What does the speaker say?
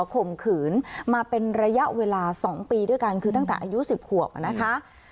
ข่มขืนมาเป็นระยะเวลา๒ปีด้วยกันคือตั้งแต่อายุ๑๐ขวบนะคะ